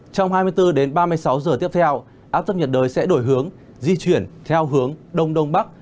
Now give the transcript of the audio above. trong hai mươi bốn h đến ba mươi sáu h tiếp theo áp thấp nhận đới sẽ đổi hướng di chuyển theo hướng đông đông bắc